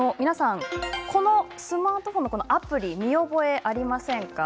このスマートフォンのアプリに見覚えありませんか？